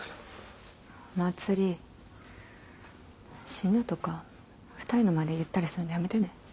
死ぬとか２人の前で言ったりするのやめてね。